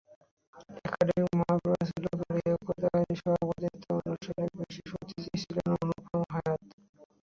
একাডেমীর মহাপরিচালক লিয়াকত আলীর সভাপতিত্বে অনুষ্ঠানে বিশেষ অতিথি ছিলেন অনুপম হায়াৎ।